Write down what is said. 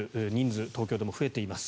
東京でも増えています。